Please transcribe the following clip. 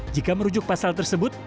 jika merujuk pasal tersebut